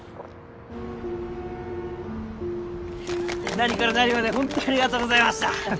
何から何までほんとありがとうございました。